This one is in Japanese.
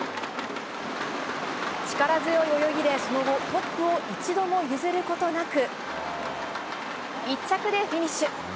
力強い泳ぎで、その後トップを一度も譲ることなく１着でフィニッシュ。